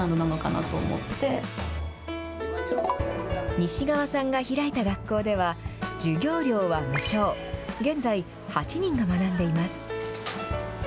西側さんが開いた学校では授業料は無償現在８人が学んでいます。